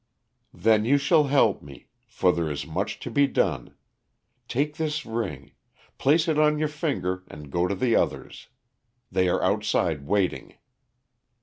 "Then you shall help me, for there is much to be done. Take this ring. Place it on your finger and go to the others. They are outside waiting.